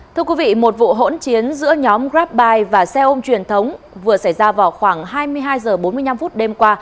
thưa quý vị một vụ hỗn chiến giữa nhóm grabbuy và xe ôm truyền thống vừa xảy ra vào khoảng hai mươi hai h bốn mươi năm đêm qua